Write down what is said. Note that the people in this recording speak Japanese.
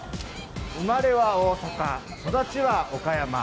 生まれは大阪育ちは岡山。